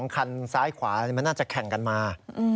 คันซ้ายขวามันน่าจะแข่งกันมา